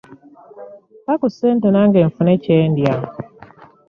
Mpa ku ssente nange nfune kye ndya.